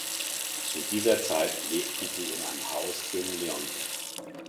Zu dieser Zeit lebten sie in einem Haus in Leonding.